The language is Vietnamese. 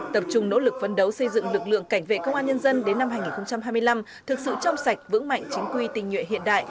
tập trung nỗ lực phấn đấu xây dựng lực lượng cảnh vệ công an nhân dân đến năm hai nghìn hai mươi năm thực sự trong sạch vững mạnh chính quy tình nhuệ hiện đại